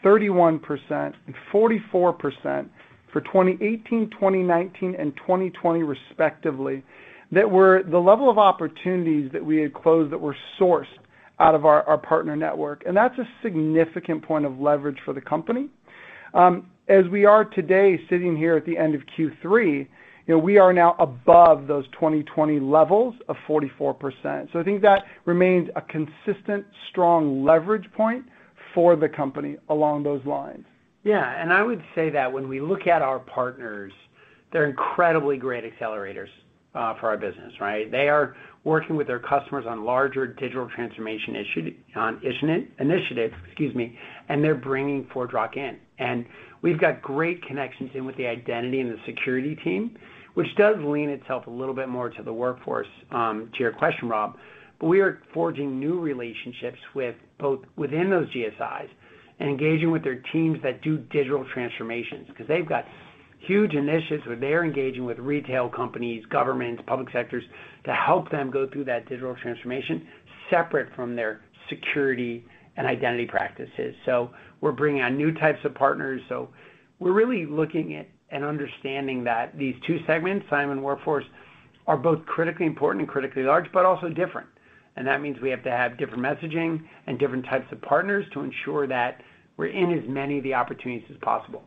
31%, and 44% for 2018, 2019, and 2020 respectively, that were the level of opportunities that we had closed that were sourced out of our partner network, and that's a significant point of leverage for the company. As we are today, sitting here at the end of Q3, you know, we are now above those 2020 levels of 44%. I think that remains a consistent, strong leverage point for the company along those lines. Yeah. I would say that when we look at our partners, they're incredibly great accelerators for our business, right? They are working with their customers on larger digital transformation initiatives, excuse me, and they're bringing ForgeRock in. We've got great connections in with the identity and the security team, which does lean itself a little bit more to the workforce, to your question, Rob. We are forging new relationships with both within those GSIs and engaging with their teams that do digital transformations because they've got huge initiatives where they are engaging with retail companies, governments, public sectors to help them go through that digital transformation separate from their security and identity practices. We're bringing on new types of partners. We're really looking at and understanding that these two segments, CIAM and Workforce, are both critically important and critically large, but also different. That means we have to have different messaging and different types of partners to ensure that we're in as many of the opportunities as possible.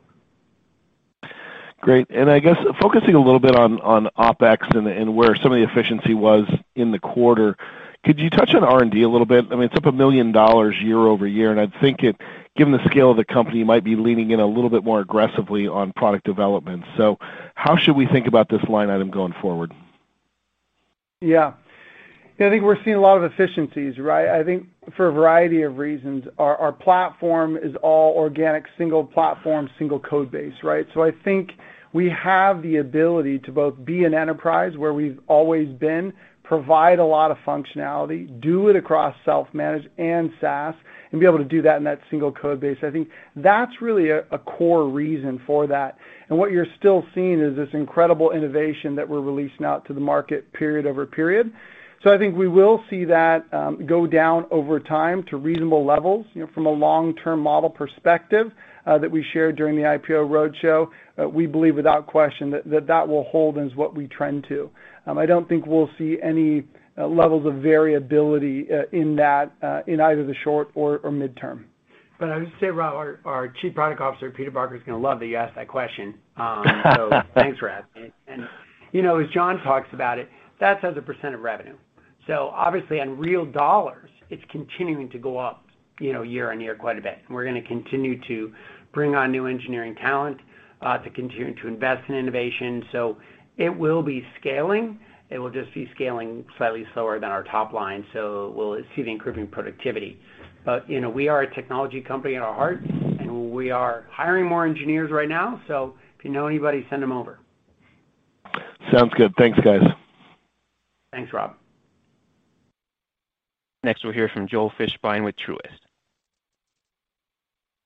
Great. I guess focusing a little bit on OpEx and where some of the efficiency was in the quarter, could you touch on R&D a little bit? I mean, it's up $1 million YoY, and I'd think it, given the scale of the company, might be leaning in a little bit more aggressively on product development. How should we think about this line item going forward? Yeah. I think we're seeing a lot of efficiencies, right? I think for a variety of reasons, our platform is all organic, single platform, single code base, right? I think we have the ability to both be an enterprise where we've always been, provide a lot of functionality, do it across self-managed and SaaS, and be able to do that in that single code base. I think that's really a core reason for that. What you're still seeing is this incredible innovation that we're releasing out to the market period over period. I think we will see that go down over time to reasonable levels, you know, from a long-term model perspective, that we shared during the IPO roadshow. We believe without question that that will hold as what we trend to. I don't think we'll see any levels of variability in that in either the short or midterm. I would just say, Rob, our Chief Product Officer, Peter Barker, is gonna love that you asked that question. Thanks for asking. You know, as John talks about it, that's as a percent of revenue. Obviously on real dollars, it's continuing to go up, you know, year-on-year quite a bit. We're gonna continue to bring on new engineering talent to continue to invest in innovation. It will be scaling. It will just be scaling slightly slower than our top line. We'll see the improving productivity. You know, we are a technology company in our heart, and we are hiring more engineers right now. If you know anybody, send them over. Sounds good. Thanks, guys. Thanks, Rob. Next, we'll hear from Joel Fishbein with Truist.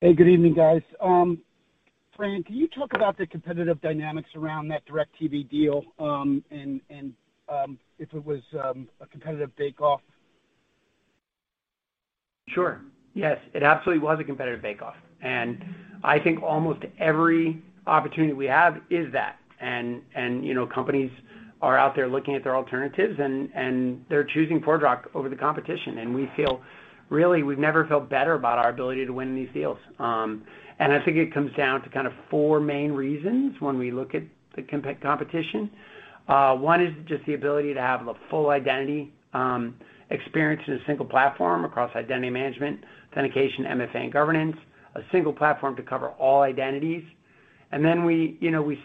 Hey, good evening, guys. Fran, can you talk about the competitive dynamics around that DIRECTV deal, and if it was a competitive bake-off? Sure. Yes. It absolutely was a competitive bake-off. I think almost every opportunity we have is that. You know, companies are out there looking at their alternatives and they're choosing ForgeRock over the competition. We feel really, we've never felt better about our ability to win these deals. I think it comes down to kind of four main reasons when we look at the competition. One is just the ability to have the full identity experience in a single platform across identity management, authentication, MFA, and governance, a single platform to cover all identities. Then you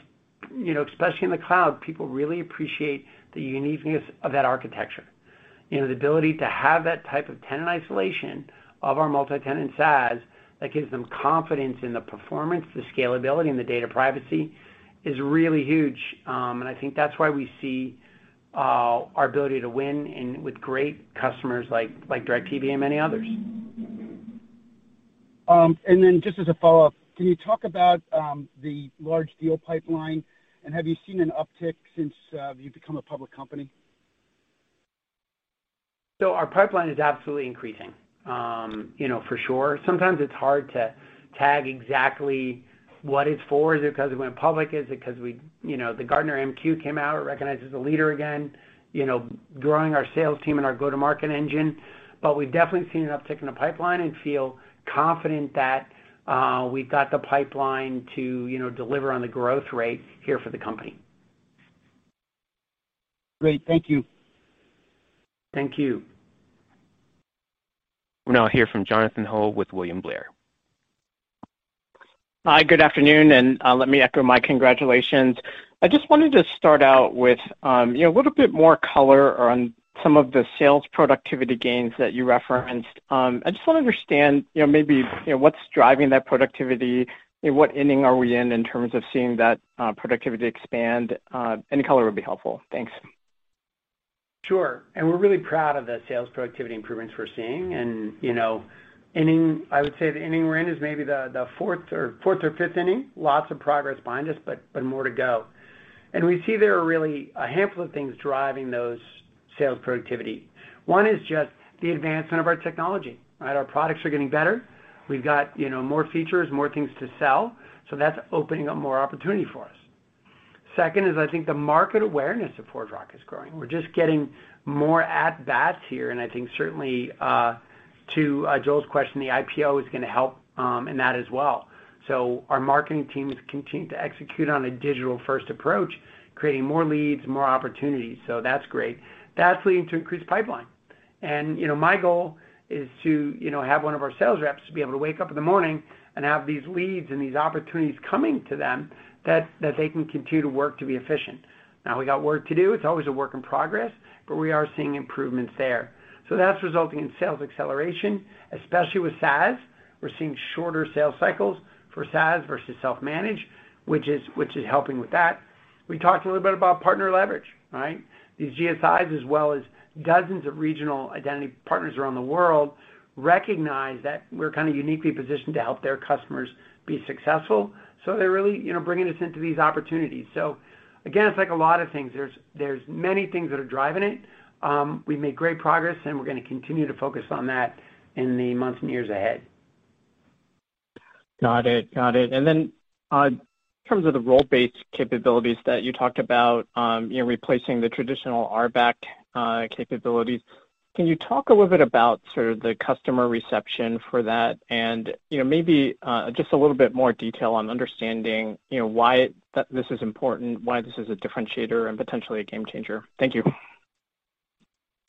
know, especially in the cloud, people really appreciate the uniqueness of that architecture. You know, the ability to have that type of tenant isolation of our multi-tenant SaaS that gives them confidence in the performance, the scalability, and the data privacy is really huge. I think that's why we see our ability to win with great customers like DIRECTV and many others. Just as a follow-up, can you talk about the large deal pipeline? Have you seen an uptick since you've become a public company? Our pipeline is absolutely increasing, you know, for sure. Sometimes it's hard to tag exactly what it's for. Is it 'cause we went public? Is it 'cause we, you know, the Gartner MQ came out, recognized as a leader again, you know, growing our sales team and our go-to-market engine. We've definitely seen an uptick in the pipeline and feel confident that we've got the pipeline to, you know, deliver on the growth rate here for the company. Great. Thank you. Thank you. We'll now hear from Jonathan Ho with William Blair. Hi, good afternoon, let me echo my congratulations. I just wanted to start out with, you know, a little bit more color on some of the sales productivity gains that you referenced. I just wanna understand, you know, maybe, you know, what's driving that productivity? What inning are we in terms of seeing that productivity expand? Any color would be helpful. Thanks. Sure. We're really proud of the sales productivity improvements we're seeing. You know, in an inning, I would say the inning we're in is maybe the fourth or fifth inning. Lots of progress behind us, but more to go. We see there are really a handful of things driving those sales productivity. One is just the advancement of our technology, right? Our products are getting better. We've got, you know, more features, more things to sell. That's opening up more opportunity for us. Second is I think the market awareness of ForgeRock is growing. We're just getting more at bats here. I think certainly, to Joel's question, the IPO is gonna help, in that as well. Our marketing team is continuing to execute on a digital-first approach, creating more leads, more opportunities. That's great. That's leading to increased pipeline. You know, my goal is to, you know, have one of our sales reps to be able to wake up in the morning and have these leads and these opportunities coming to them that they can continue to work to be efficient. Now we got work to do. It's always a work in progress, but we are seeing improvements there. That's resulting in sales acceleration, especially with SaaS. We're seeing shorter sales cycles for SaaS versus self-managed, which is helping with that. We talked a little bit about partner leverage, right? These GSIs as well as dozens of regional identity partners around the world recognize that we're kinda uniquely positioned to help their customers be successful. They're really, you know, bringing us into these opportunities. Again, it's like a lot of things. There's many things that are driving it. We've made great progress, and we're gonna continue to focus on that in the months and years ahead. Got it. In terms of the role-based capabilities that you talked about, you know, replacing the traditional RBAC capabilities, can you talk a little bit about sort of the customer reception for that? You know, maybe just a little bit more detail on understanding, you know, why this is important, why this is a differentiator and potentially a game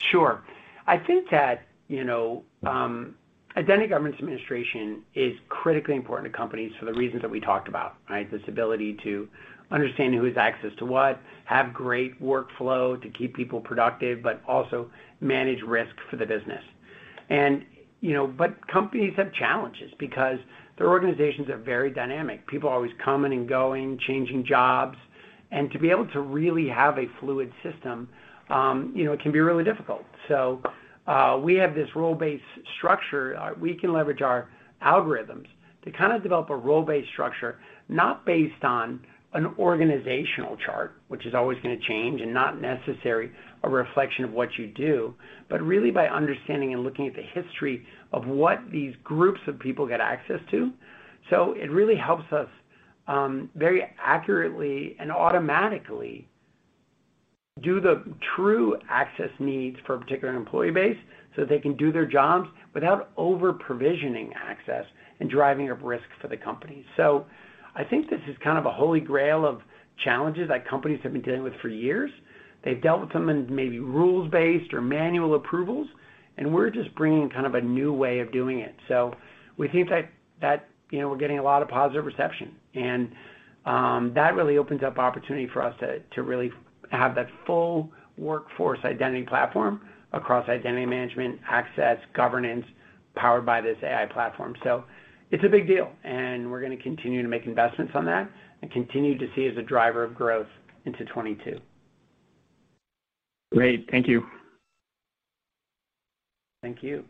changer. Thank you. Sure. I think that, you know, identity governance and administration is critically important to companies for the reasons that we talked about, right? This ability to understand who has access to what, have great workflow to keep people productive, but also manage risk for the business. You know, companies have challenges because their organizations are very dynamic. People are always coming and going, changing jobs, and to be able to really have a fluid system, you know, it can be really difficult. We have this role-based structure. We can leverage our algorithms to kind of develop a role-based structure, not based on an organizational chart, which is always gonna change and not necessarily a reflection of what you do, but really by understanding and looking at the history of what these groups of people get access to. It really helps us very accurately and automatically do the true access needs for a particular employee base, so they can do their jobs without over-provisioning access and driving up risk for the company. I think this is kind of a holy grail of challenges that companies have been dealing with for years. They've dealt with them in maybe rules-based or manual approvals, and we're just bringing kind of a new way of doing it. We think that you know we're getting a lot of positive reception. That really opens up opportunity for us to really have that full workforce identity platform across identity management, access, governance, powered by this AI platform. It's a big deal, and we're gonna continue to make investments on that and continue to see as a driver of growth into 2022. Great. Thank you. Thank you.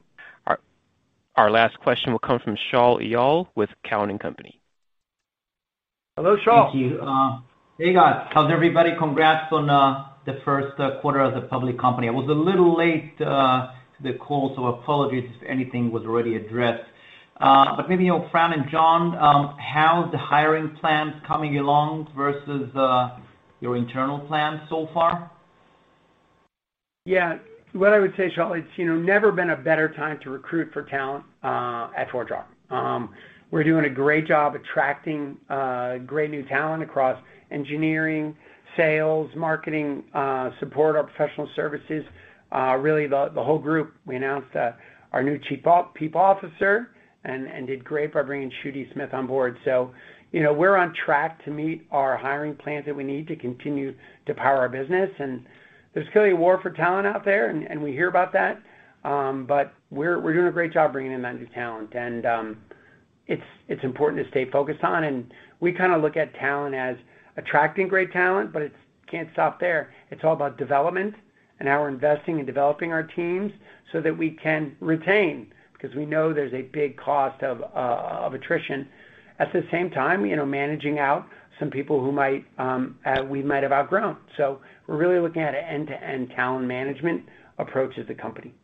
Our last question will come from Shaul Eyal with TD Cowen and Company. Hello, Shaul. Thank you. Hey, guys. How's everybody? Congrats on the Q1 as a public company. I was a little late to the call, so apologies if anything was already addressed. Maybe, you know, Fran and John, how's the hiring plans coming along versus your internal plans so far? Yeah. What I would say, Shaul, it's, you know, never been a better time to recruit for talent at ForgeRock. We're doing a great job attracting great new talent across engineering, sales, marketing, support, our professional services, really the whole group. We announced our new Chief People Officer and did great by bringing Tschudy Smith on board. You know, we're on track to meet our hiring plans that we need to continue to power our business. There's clearly a war for talent out there, and we hear about that. But we're doing a great job bringing in that new talent. It's important to stay focused on. We kinda look at talent as attracting great talent, but it can't stop there. It's all about development and how we're investing in developing our teams so that we can retain, because we know there's a big cost of attrition. At the same time, you know, managing out some people we might have outgrown. We're really looking at an end-to-end talent management approach as a company.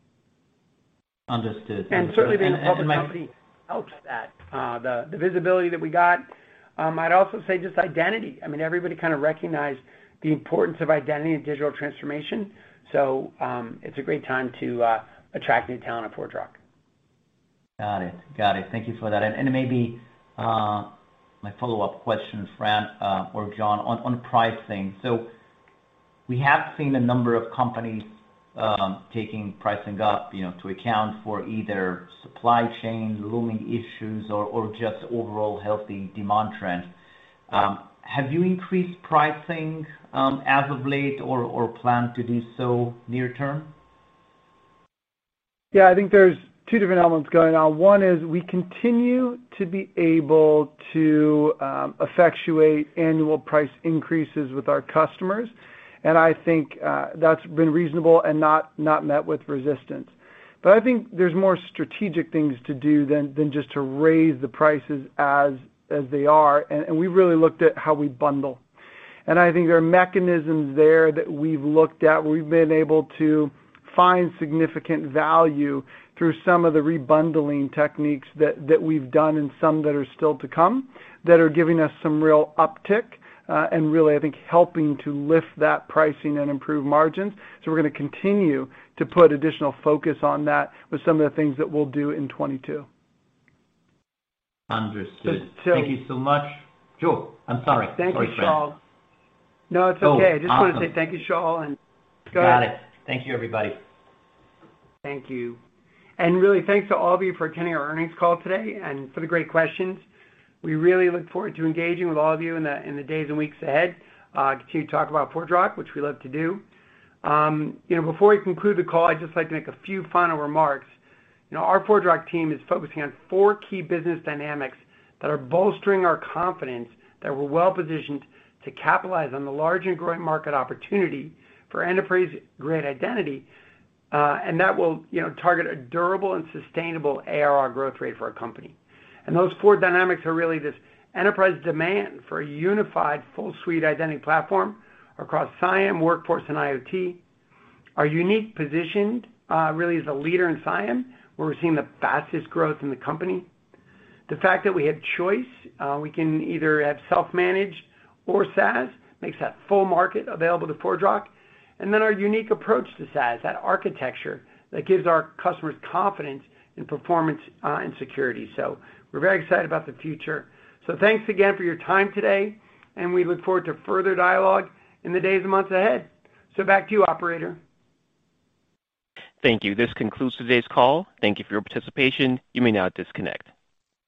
Understood. Certainly being a public company helps that. The visibility that we got, I'd also say just identity. I mean, everybody kinda recognize the importance of identity in digital transformation, so it's a great time to attract new talent at ForgeRock. Got it. Thank you for that. Then maybe my follow-up question, Fran, or John, on pricing. We have seen a number of companies taking pricing up, you know, to account for either supply chain looming issues or just overall healthy demand trend. Have you increased pricing as of late or plan to do so near term? Yeah. I think there's two different elements going on. One is we continue to be able to effectuate annual price increases with our customers, and I think that's been reasonable and not met with resistance. I think there's more strategic things to do than just to raise the prices as they are, and we really looked at how we bundle. I think there are mechanisms there that we've looked at. We've been able to find significant value through some of the rebundling techniques that we've done and some that are still to come, that are giving us some real uptick, and really, I think, helping to lift that pricing and improve margins. We're gonna continue to put additional focus on that with some of the things that we'll do in 2022. Understood. Thank you so much. Sure. I'm sorry. Sorry, Fran. Thank you, Shaul. No, it's okay. Oh, awesome. I just wanna say thank you, Shaul, and go ahead. Got it. Thank you, everybody. Thank you. Really thanks to all of you for attending our earnings call today and for the great questions. We really look forward to engaging with all of you in the days and weeks ahead, continue to talk about ForgeRock, which we love to do. You know, before we conclude the call, I'd just like to make a few final remarks. You know, our ForgeRock team is focusing on four key business dynamics that are bolstering our confidence that we're well-positioned to capitalize on the large and growing market opportunity for enterprise-grade identity, and that will, you know, target a durable and sustainable ARR growth rate for our company. Those four dynamics are really this enterprise demand for a unified full suite identity platform across CIAM, Workforce, and IoT. Our unique position, really as a leader in CIAM, where we're seeing the fastest growth in the company. The fact that we have choice, we can either have self-managed or SaaS, makes that full market available to ForgeRock. Our unique approach to SaaS, that architecture that gives our customers confidence in performance, and security. We're very excited about the future. Thanks again for your time today, and we look forward to further dialogue in the days and months ahead. Back to you, operator. Thank you. This concludes today's call. Thank you for your participation. You may now disconnect.